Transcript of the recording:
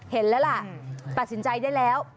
เห็นแล้วล่ะตัดสินใจได้แล้ว